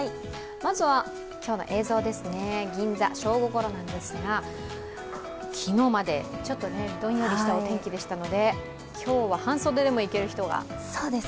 まずは今日の映像ですね、銀座、正午ごろなんですが昨日までちょっとどんよりしたお天気でしたので今日は半袖でもいける人が。